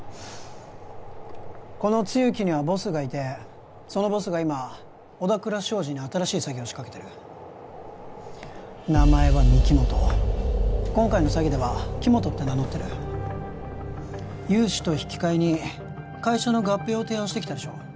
この露木にはボスがいてそのボスが今小田倉商事に新しい詐欺を仕掛けてる名前は御木本今回の詐欺では木元って名乗ってる融資と引き換えに会社の合併を提案してきたでしょ？